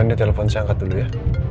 ren di telepon saya angkat dulu ya